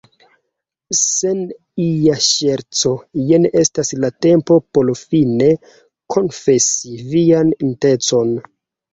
Sen ia ŝerco, jen estas la tempo por fine konfesi vian intencon!